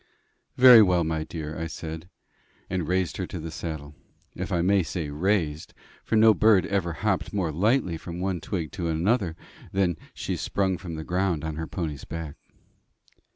"Very well, my dear," I said, and raised her to the saddle if I may say raised, for no bird ever hopped more lightly from one twig to another than she sprung from the ground on her pony's back.